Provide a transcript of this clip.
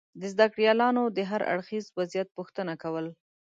د زده کړیالانو دهر اړخیز وضعیت پوښتنه کول